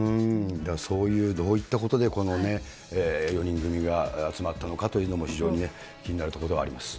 そういう、どういったことでこの４人組が集まったのかというのも非常に気になるところではあります。